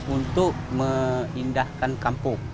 untuk mengindahkan kampung